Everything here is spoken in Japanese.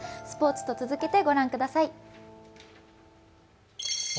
スポーツと続けて御覧ください。